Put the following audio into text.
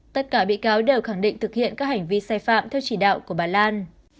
tất cả bị cáo đều khẳng định thực hiện các hành vi sai phạm theo chỉ đạo của bà lan